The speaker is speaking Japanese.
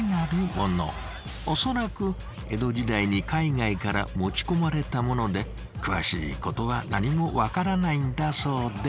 恐らく江戸時代に海外から持ち込まれたもので詳しいことは何も分からないんだそうです。